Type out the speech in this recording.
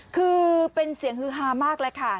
คือเป็นเสียงฮือฮามากเลยค่ะ